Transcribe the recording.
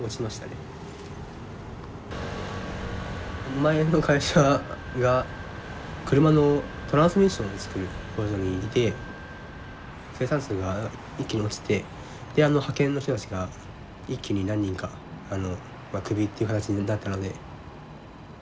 前の会社が車のトランスミッションを作る工場にいて生産数が一気に落ちてで派遣の人たちが一気に何人かクビっていう形になったので。